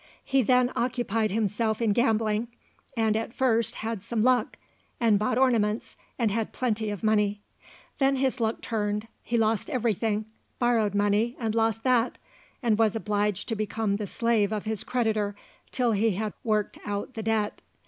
He then occupied himself in gambling, and at first had some luck, and bought ornaments, and had plenty of money. Then his luck turned; he lost everything, borrowed money and lost that, and was obliged to become the slave of his creditor till he had worked out the debt.